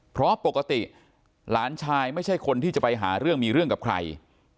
เพราะปกติหลานชายไม่ใช่คนที่จะไปหาเรื่องมีเรื่องกับใคร